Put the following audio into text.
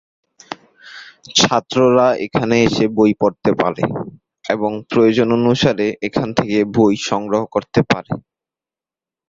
ছাত্ররা এখানে এসে বই পড়তে পারে, এবং প্রয়োজন অনুসারে এখান থেকে বই সংগ্রহ করতে পারে।